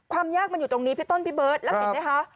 ความยากมันอยู่ตรงนี้พี่ต้นพี่เบิร์ตแล้วเห็นไหมคะ